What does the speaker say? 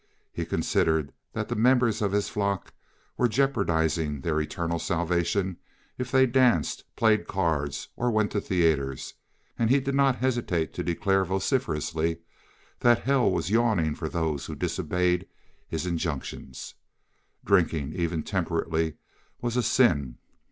He considered that the members of his flock were jeopardizing their eternal salvation if they danced, played cards, or went to theaters, and he did not hesitate to declare vociferously that hell was yawning for those who disobeyed his injunctions. Drinking, even temperately, was a sin.